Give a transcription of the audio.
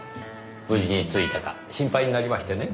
無事に着いたか心配になりましてね。